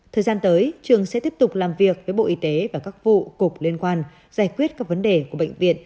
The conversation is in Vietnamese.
thời gian tới trường sẽ tiếp tục làm việc với bộ y tế và các vụ cục liên quan giải quyết các vấn đề của bệnh viện